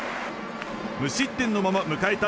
無失点のまま迎えた